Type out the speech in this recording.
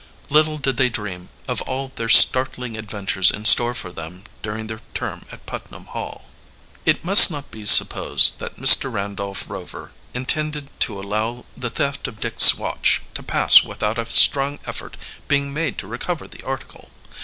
Little did they dream, of all the startling adventures in store for them during their term at Putnam Hall. It must not be supposed that Mr. Randolph Rover intended to allow the theft of Dick's watch to pass without a strong effort being made to recover the article.